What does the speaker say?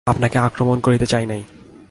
আপনাকে আক্রমণ করিতে যাই নাই।